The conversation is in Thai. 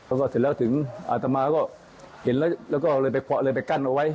แล้วก็เสร็จแล้วถึงอาตมาก็เห็นแล้วก็เลยไปกั้นเอาไว้